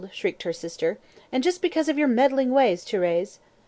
shrieked her sister, "and just because of your meddling ways, Thérèse."